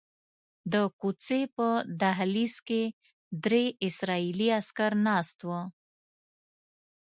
د کوڅې په دهلیز کې درې اسرائیلي عسکر ناست وو.